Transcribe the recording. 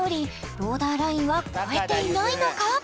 ボーダーラインは超えていないのか？